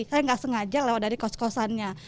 saya nggak sengaja lewat dari kos kosannya